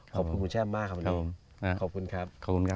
ขอบคุณคุณแชมมากครับวันนี้ขอบคุณครับ